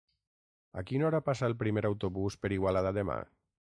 A quina hora passa el primer autobús per Igualada demà?